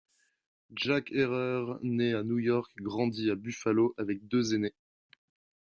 Jack Herer naît à New York et grandit à Buffalo avec deux aînés.